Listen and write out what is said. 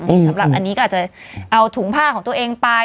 สำหรับอันนี้ก็อาจจะเอาถุงผ้าของตัวเองไป